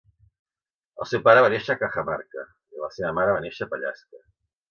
El seu pare va néixer a Cajamarca i la seva mare va néixer a Pallasca.